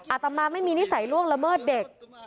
อาตมาไม่มีนิสัยล่วงละเมิดเด็ก